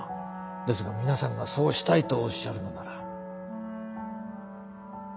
ですが皆さんがそうしたいとおっしゃるのなら。